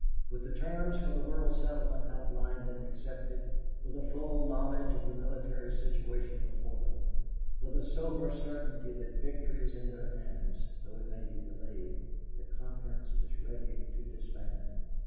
"With the terms for the world settlement outlined and accepted, with a full knowledge of the military situation before them, with a sober certainty that victory is in their hands, though it may be delayed, the conference is ready to disband.